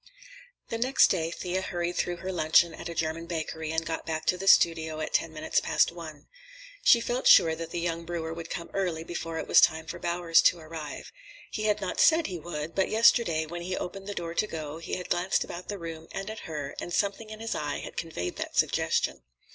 The next day Thea hurried through her luncheon at a German bakery and got back to the studio at ten minutes past one. She felt sure that the young brewer would come early, before it was time for Bowers to arrive. He had not said he would, but yesterday, when he opened the door to go, he had glanced about the room and at her, and something in his eye had conveyed that suggestion.